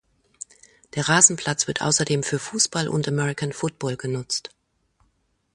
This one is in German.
Der Rasenplatz wird außerdem für Fußball und American Football genutzt.